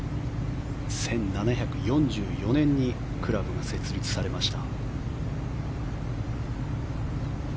１７４４年にクラブが設立されました。